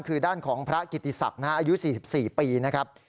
คือด้านของพระกิติศักดิ์อายุ๔๔ปีนะครับ